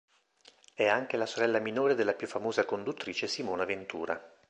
È anche la sorella minore della più famosa conduttrice Simona Ventura.